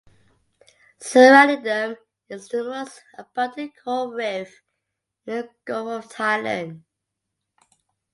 Surrounding them is the most abundant coral reef in the Gulf of Thailand.